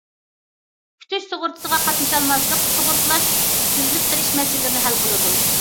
كۈتۈش سۇغۇرتىسىغا قاتنىشالماسلىق، سۇغۇرتىلاش ئۈزۈلۈپ قېلىش مەسىلىلىرىنى ھەل قىلىدۇ.